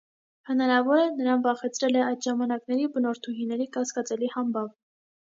Հնարավոր է՝ նրան վախեցրել է այդ ժամանակների բնորդուհիների կասկածելի համբավը։